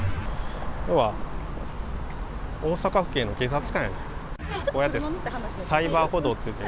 要は、大阪府警の警察官やねん。